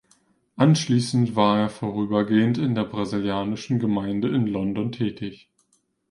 Anschließend war er vorübergehend in der brasilianischen Gemeinde in London tätig.